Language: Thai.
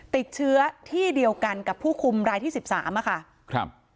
ติดเชื้อที่เดียวกันกับผู้คุมรายที่สิบสามอะค่ะครับ